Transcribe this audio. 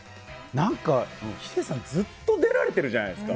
なんか、ヒデさん、ずっと出られてるじゃないですか。